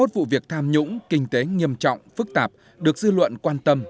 chín mươi một vụ việc tham nhũng kinh tế nghiêm trọng phức tạp được dư luận quan tâm